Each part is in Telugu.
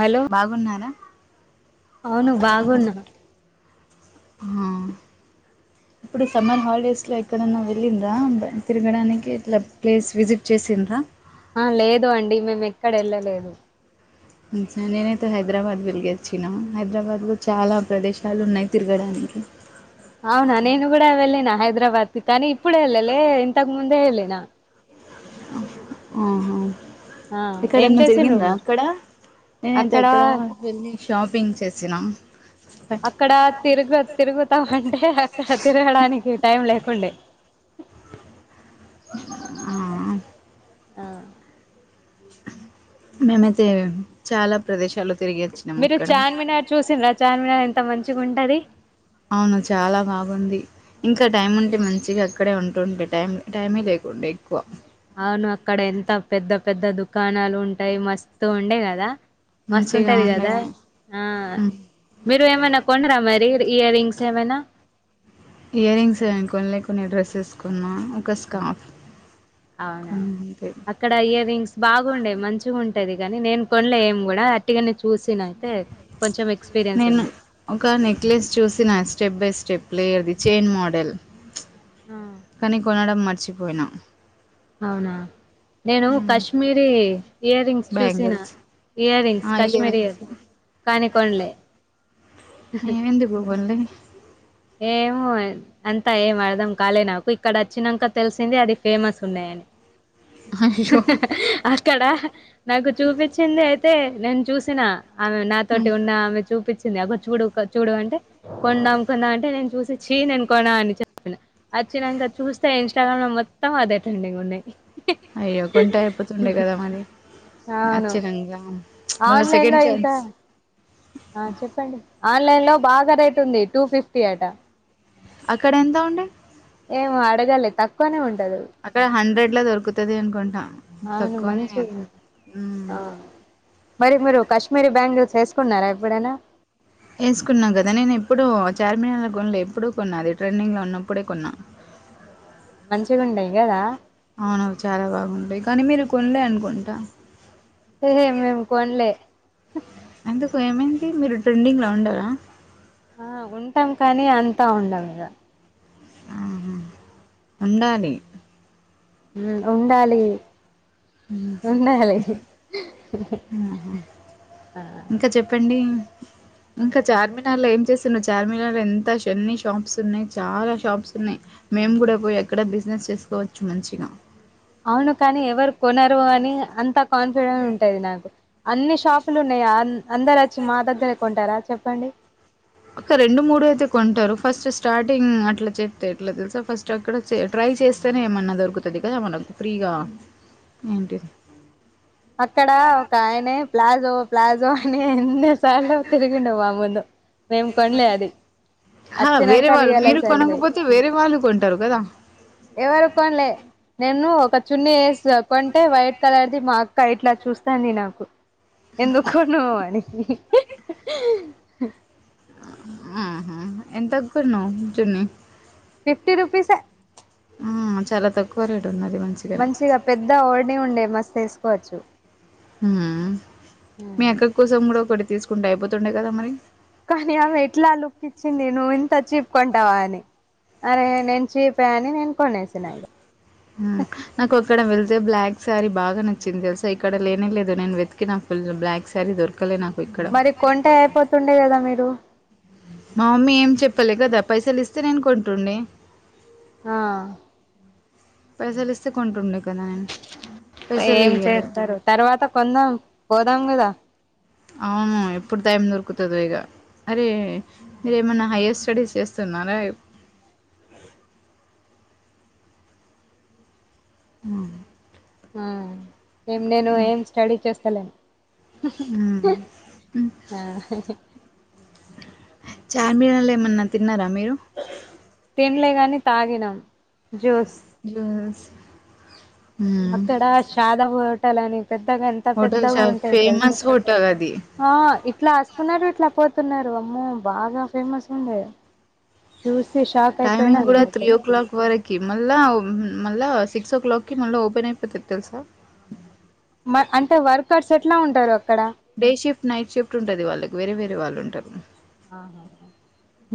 హలో బాగున్నారా అవును బాగున్నా ఇప్పుడు సమ్మర్ హాలిడేస్ లో ఎక్కడన్నా వెళ్ళింద్రా తిరగడానికి ఇట్లా ప్లేస్ విజిట్ చేసింద్రా ఆ లేదు అండి మేము ఎక్కడ వెళ్ళలేదు సార్ నేనైతే హైదరాబాద్ వెరిగి వచ్చినాను హైదరాబాద్లో చాలా ప్రదేశాలు ఉన్నాయి తిరగడానికి అవునా నేను కూడాడా అవళ్ళనా హైదరాబాద్కిి కానీ ఇప్పుడు వెళ్లే ఇంతగ్ ముందే వెళ్ళ నా ఆహా ఆ ఏం ఎక్కడన్నా చేసిండ్ర తిరిగిందా మీరు అక్కడ నేనైతే అక్కడ వెళ్ళి షాపింగ్ చేసినాం అక్కడ తిరుగు తిరుగుతామ అంటే అక్కడ తిరగడానికి టైం లేకుండే ఆ ఆ మేమైతే చాలా ప్రదేశాలు తిరిగి వచ్చినాం మీరు అక్కడ చార్మినార్ చూసిన రా చా ఎంత మంచిగ ఉంటది అవును చాలా బాగుంది. ఇంకా టైం ఉంటే, మంచిగా అక్కడే ఉంటుంటే, టైం టైమే లేకుండా ఎక్కువ. అవును అక్కడ ఎంత పెద్ద, పెద్ద దుకాణాలు ఉంటాయి. మస్తు ఉండే కదా. మంచిగా మస్తుంటది ఉండే కదా ఆ హ్మ్. మీరు ఏమనా కొనరా మరి. ఇయర్ రింగ్స్ ఏవైనా ఇయర్ రింగ్స్ ఏం కొనలే. కొన్ని డ్రెస్సెస్ కొన్నా. ఒక స్కార్ఫ్. అవునా కొన్నా అంతే అక్కడ ఇయర్ రింగ్స్ బాగుండేయి మంచిగా ఉం అది కాని నేను కొనలే ఏం కూడా అట్టిగానే చూసిన అయితే కొంచెం ఎక్స్పీరియన్స్ నేను ఉంది ఒక నెక్లెస్ చూసిన స్టెప్ బై స్టెప్ లేదు చైన్ మోడల్ ఆ! కానీ కొనడం మట్ చ్చిపోయిన అవునా నేను కాశ్మీరీ ఇయర్ రింగ్స్ చూసిన బ్యాంగిల్స్ ఇయర్ రింగ్స్ ఆ ఇయర్ కాశ్మీరీ రింగ్స్ కాని కొనలే ఎందుకు కొనలే ఏమో అంతా ఏం అర్ధం కాలే, నాకు ఇక్కడ వచ్చినం క తెలిసింది. అది ఫేమస్ ఉన్నాయని. అయ్యో అక్కడ నాకు చూపించింది అయితే నేను చూసిన ఆమె హ్మ్. నాతోటి ఉన్న ఆమె చూపించి అబ కొ చూడు చూడు అంటే కొండ అంకున అంటే చూసి చ్చి నేను కొన అని చెప్పిన వచ్చినాంక చూస్తే, ఇన్స్టాగ్రామ్ లో మొత్తం అదే ట్రెండింగ్ ఉన్నాయి. అయ్యో కొంట అయిపోతుండే కదా మరి అవును నచ్చినంక ఆన్లైన్ లో అయితా ఆ చెప్పండి ఆన్లైన్ లో బాగా రేటు ఉంది. టూ ఫిఫ్టీ అటా అక్కడ ఎంత ఉం ఏమో అడగలే తక్కువనే ఉంటు అక్కడ హండ్రెడ్ ఇట్లా దొరుకుతది అనుకుంటా అవును తక్కువనే మంచి మ్మ్ ఆ మరి మీరు కాశ్మీరి బ్యాంగిల్స్ చేసుకున్నారా ఎప్పుడైనా వేసుకున్నా కదా నేను ఎప్పుడూ చార్మినార్ కొనలే, ఎప్పుడూ కొన్నా అది ట్రెండింగ్ లో ఉన్నప్పుడే కొన్నా. మంచిగుండయి కదా అవును చాలా బాగుంటాయి కానీ మీరు కొనలే అనుకుంటా ఏ మేం కోనలే ఎందుకు ఏమైంది మీరు ట్రెండింగ్లో ఉండర ఆ ఉంటాం కానీ అంతా ఉండం ఇగ ఆహా ఉండాలి ఉండాలి ఉండాలి ఇంక చెప్పండి ఇంకా చార్మినార్ లో ఏం చేస్తున్నా చార్మిగార్ లో ఎంత ఎన్ని షాప్స్ ఉన్నాయి చాలా షాప్స్ ఉన్నాయి మేము కూడ పోయి ఎక్కడ బిజినెస్ చేసుకోవచ్చు మంచిగా అవును కానీ ఎవరు కొనరు అని అంత కాన్ఫిడెంట్ ఉంటది నాకు. అన్ని షాపులు ఉన్నాయి అందరు వచ్చి మా దగ్గరే కొంటారా చెప్పండి? ఒక రెండు మూడు అయితె కొంటరు ఫస్ట్ స్టార్టింగ్ అట్లా చెప్తే ఎట్లా తెలుసా ఫస్ట్ అక్కడ చే ట్రై చేస్తేనే ఏమన్నా దొరుకుతుంది కదా మనకు ఫ్రీగా ఏంటిది అక్కడ ఒక ఆయనె ప్లాజో ప్లాజో అనే అన్ని సార్లు తిరిగిండు మా ముందు మేము కొనలే అది అహా! వచ్చినంక వేరే వాళ్ళు మీరు రియలైజ్ అయింది కొనకపోతే వేరే వాళ్ళు కొంటారు కదా! ఎవరు కొనలే నేను ఒక చున్నీ వేసి కొంటే వైట్ కలర్ది మాక్ క్క ఇట్ల చూస్తాంది నాకు ఎందుకొనవు అని ఆహహ ఎంతకొన్నావు చున్నీ ఫిఫ్టీ రుపీస్ ఎ ఆ చాలా తక్కువ రేట్ ఉన్నది మంచిగనే. మంచిగ పెద్ద ఓని ఉండే మస్తేస్ కోచ్చు ఉమ్ మీ అక్క కోసం కూడ ఓటి తీసుకుంటె అయిపోతుండె కదా మరి కానీ ఆమె ఎట్లా లుక్ ఇచ్చింది నువ్వు ఇంత చీప్ కొంటావా అని అరే నేను చీప అని నేను కొనేసినా ఇగ హు నాకు అక్కడ వెళ్తే బ్లాక్ శారీ బాగా నచ్చింది తెలుసా ఇక్కడ లేనె లేదు నేను వెతికినా ఫుల్ బ్లాక్ శారీ దొరకలే నాకు ఇక్కడ. మరి కొంటె అయిపోతుండె కదా మీరు మా మమ్మీ ఏం చెప్పలే కదా పైసలు ఇస్తే నేను కొంటుండె ఆ పైసలు ఇస్తే కొంటుండె ఏం చేస్తారు తర్వాత కొందాం పోదాం కదా అవును ఎప్పుడు టైం దొరుకుతదొ ఇగ అరే మీరేమన్నా హైయర్ స్టడీస్ చేస్తున్నారా ఇప్ ఆ ఆ ఏం నేను ఏం స్టడీ చేస్తలేను హ చార్మినలో ఏమన్నా తిన్నారా మీరు తినలే గాని తాగినం జోస్ జ్యూస్ మ్మ్. అక్కడ శాదా టల్ అనేసి పెద్దగా ఎంత హోటల్ పెద్దగా చాలా ఉంటేది తెలుసా ఫేమస్ హోటల్ అది ఇట్లా వస్తున్నారు ఇట్లా పోతున్నారు అమ్మో బాగా ఫేమస్ ఉండే చూసి షాక్ అయిపోయినా టైమింగ్ కూడా త్రీ నేనైతే ఓ క్లాక్ వరకి మళ్ళా మళ్ళ సిక్స్ ఓ క్లాక్కిి మళ్ళా ఓపెన్ అయిపోతది తెలుసా అంటే వర్కర్స్ ఎట్లా ఉంటారు అక్కడ బేషిఫ నైట్ షిఫ్ట్ ఉంటది వాళ్ళకు వేరేరే వాళ్ళుంటారు హ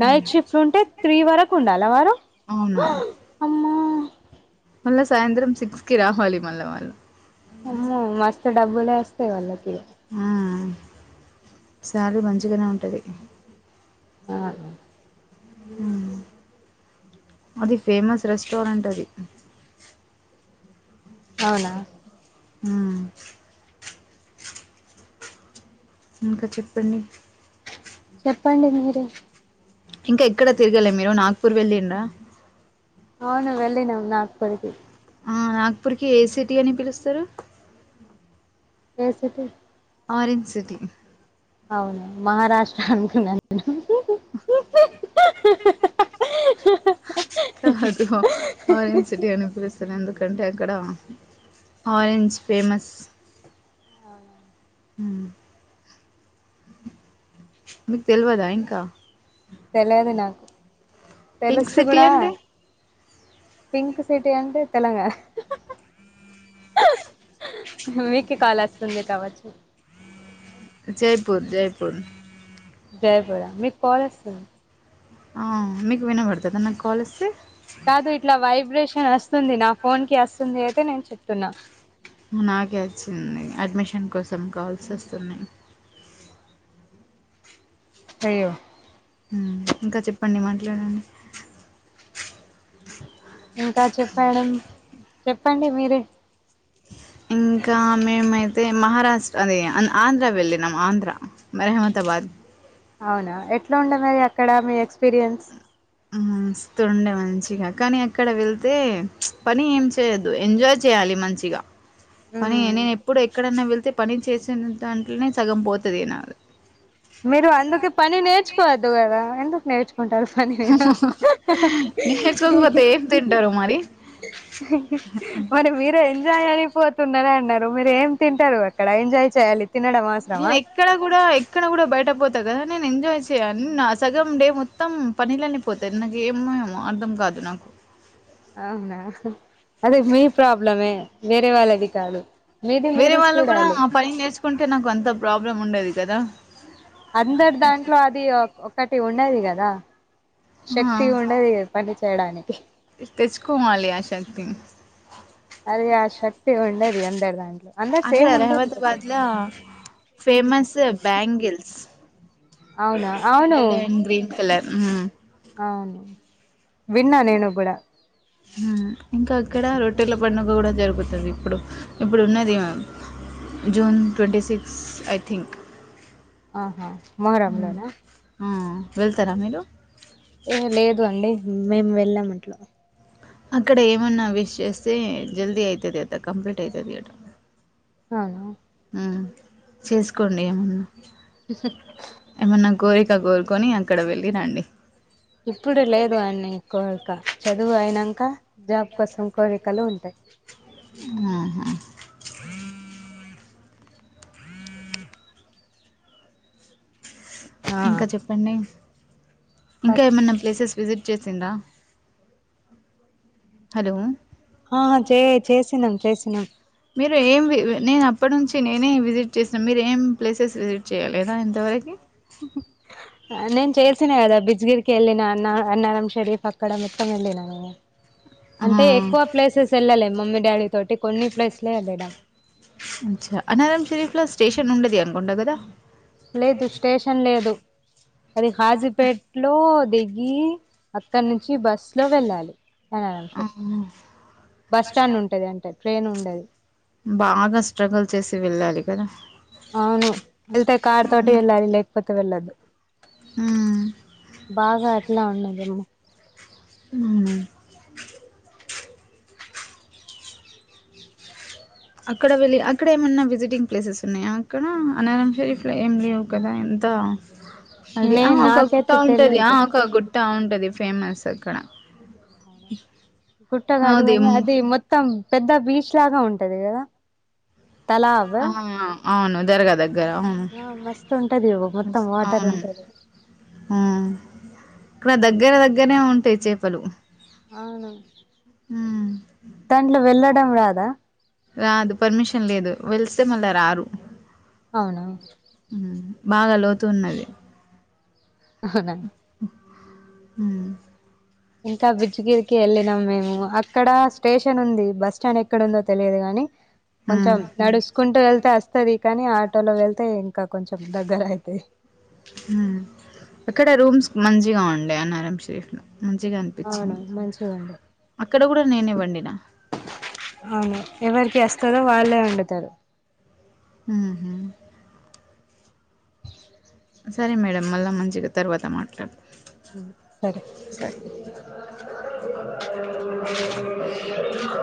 నైట్ షిఫ్ట్ ఉంటే త్రీ వరకు ఉండాలా వారు అవును హా అమ్మా మళ్ళా సాయంత్రం సిక్స్ కి రావాలి మళ్ళా వాళ్ళు అమ్మో మస్తు డబ్బులే వస్తేయి వాళ్ళకి ఆ శాలరీ మంచిగానే ఉంటది ఆ అది ఫేమస్ రెస్టారెంట్ అది అవునా మ్మ్ ఇంకా చెప్పండి చెప్పండి మీరు ఇంకా ఎక్కడ తిరగలే మీరు నాగ్పూర్ వెళ్ళిడా అవును వెళ్ళినమ్ నా పురికి ఆ నాగ్పూర్కి ఏ సిటీ అని పిలుస్తారు ఏ సిటీ ఆరెంజ్ సిటీ అవును మహారాష్ట్ర అనుకున్న నిను కాదు ఆరెంజ్ సిటీ అనిపిలుస్తారు ఎందుకంటే అక్కడ ఆరెంజ్ ఫేమస్ మీకు తెలివదా ఇంకా తెలిదు నాకు పింక్ తెలుస్తే సిటీ కూడా అంటే పింక్ సిటీ అంటే తెలంగాణ మీకు కాాల్ వస్తుంది కావచ్చు జయపుర్ జయపుర్ జయపుర మీకు కాల్ వస్తుంది ఆ మీకు వినబడుతుందిా నాకు కాల్ వస్తే కాదు ఇట్లా వైబ్రేషన్ వస్తుంది నా ఫోన్ కి వస్తుంది అయితే నేను చెప్తున్నా నాకే వచ్చింది అడ్మిషన్ కోసం కాల్స్ వస్తున్నాయి అయ్యో ఇంకా చెప్పండి మాట్లాడండి ఇంకా చెప్పడం చెప్పండి మీరే ఇంకా మేమైతే మహారాష్ట్ర అదే ఆంధ్ర వెళ్ళినాము ఆంధ్ర మ రెహమతాబాద్ అవునా ఎట్లా ఉండె మరి అక్కడ మీ ఎక్స్పీరియన్స్ హ్మ్ మస్తుండే మంచిగా కానీ అక్కడ వెళ్తే పని ఏం చేయద్దు ఎంజాయ్ చేయాలి మంచిగా కానీ మ్మ్ నేను ఎప్పుడు ఎక్కడైన్నా వెళ్తే పని చేసిన దాంట్లోనే సగం పోతది నాది మీరు అందుకే పని నేర్చుకోవద్దు కదా ఎందుకు నేర్చుకో కుంటారు పని నేర్చుకోకపోతే ఏం తింటారు మరి మరి మీరే ఎంజాయ్ అని పోతున్నార అన్నారు మీరు ఏం తింటారు అక్కడ ఎంజాయ్ చేయాలి తినడం నేను అవసరమా ఎక్కడ కూడా ఎక్కడ కూడా బయట పోతా కదా నేను ఎంజాయ్ చేయాలి నా సగం డే మొత్తం పనిలోనే పోతాది నాక ఏం మాయమో అర్థం కాదు నాకు అవునా అది మీ ప్రాబ్లమే వేరే వాళ్ళది కాదు మీది వేరే మీరు వాళ్ళు కూడా చూడాలి ఆ పని నేర్చుకుంటే నాకు అంత ప్రాబ్లం ఉండదు కదా తే ఉన్నది కదా శక్తి ఉండది పని తేడానికి తెచ్చుకో మాలియాసా తంగ్ [unintelligible] ఈరోజు ఉండదు అందరు దాంట్లో అందరు అక్కడ సేమ్ ఉండదు రహమతాబాద్ కొత్తది లో ఫేమస్ బ్యాంగిల్స్ అవును రెడ్ అండ్ గ్రీన్ కలర్ మ్మ్ అవును విన్నా నేను కూడా ఆ ఇంకా అక్కడ రొట్టెల పండుగ కూడా జరుగుతుంది ఇప్పుడు ఇప్పుడు ఉన్నది ఇగ June twenty six I think ఆహా మొహరం హ్మ్. లోనా ఆ వెళ్తారా మీరు ఏ లేదు అండి మేము వెళ్ళాం అట్లా అక్కడ ఏమన్నా విష్ చేస్తే జల్దీ అయితది అద కంప్లీట్ అవుతది [unintelligible] అవును ఆ చేసుకోండి ఏమన్నా ఏమన్న కూర ఇంకా కోరుకొని అక్కడ వెళ్ళిరండి ఇప్పుడు లేదు అన్ని కోరిక చదువు అయినాంక జాబ్ కోసం కోరికలు ఉంటాయి ఆహా ఆ ఇంకా చెప్పండి ఇంకా ఏమన్నా ప్లేసెస్ విజిట్ వచ్చేసింద హా చే చే సినం చేసినం మీరు ఏం వి ఆ నేను అప్పటి నుంచి నేనే విజిట్ చేస్తన్న మీరు ఏం ప్లేసెస్ విజిట్ చేయాలి కదా ఇంతవరకి ఆ నేను చేస్సేనే కదా బజ్గిరికి వెళ్ళిన అన్న అన్నార షరీఫ్ అక్కడ మెత్తం వెళ్ళిన నేను ఆ అంటే ఎక్కువ ప్లేసెస్ వెళ్ళలే మమ్మీ డాడీ తోటి కొన్ని ప్లేస్లే వెళ్ళినం [unintelligible] ఉండదు ఇగ అనుకుంటా కదా లేదు స్టేషన్ లేదు అది కాజీపేట లో దిగి అక్కడ నుంచి బస్ లో వెళ్ళాలి అన్నారం షరీఫ్ ఆహా బస్ స్టాండ్ ఉంటది అంటే ట్రైన్ ఉండది బాగా స్ట్రగుల్ చేసి వెళ్ళాలి [unintelligible] అవును వెళ్తే కార్ తోటి వెళ్ళాలి లేకపోతే క వెళ్ళదు హ్మ్ బాగా అట్లా ఉన్నదేమో అవున అక్కడ వెళ్ళి అక్కడ ఏమన్నా విజిటింగ్ ప్లేసెస్ ఉన్నాయా అక్కడ అనరం షరీఫ్లో ఏం లేవు కదా ఎంత అది నే ఆ ఒక గుట్ట నాకైతే ఉంటది ఆ తెలియదు ఒక గుట్ట ఉంటది ఫేమస్ అక్కడ గుట్ట కాదు కానీ అది మొత్తం పెద్ద బీచ్ లాగా ఉంటది కదా తలావా ఆ అవును జరగదద్ ఆ మస్తు ఉంటది మొత్తం ఎస్ వాటర్ అవును ఉంటది ఆ ఇక్కడ దగ్గర దగ్గరనే ఉంటాయి చేపలు అవును హ్మ్ దాంట్లో వెళ్ళడం రాదా రాదు పర్మిషన్ లేదు వెళ్ళొస్తే మళ్ళా రారు అవునా హ్మ్ బాగా లోతు ఉన్నది హవునండి మ్మ్ ఇంకా బిజుగిరికి వెళ్ళినం మేము. అక్కడ స్టేషన్ ఉంది. బస్ స్టాండ్ ఎక్కడ ఉందో తెలియదు గాని. కొంచం హ్మ్ నడుసుకుంటూ వెళ్తే వస్తది కానీ ఆటోలో వెళ్తే ఇంకా కొంచెం దగ్గర అయితది. అక్కడ రూమ్స్ మంచిగా ఉండే అన్నారం షేపులో మంచిగా అవును అనిపించింది మంచిగా ఉంది అక్ అక్కడ కూడా నేనే వండిన. అవును ఎవరికి వస్తదో వాళ్ళే వండుతారు. ఉమ్ ఉమ్ సరే మేడం మళ్ళా మంచిగా తర్వాత మాట్లాడుత సరే ఉమ్